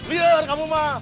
lihat kamu mah